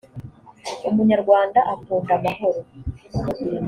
umunyarwanda akunda amahoro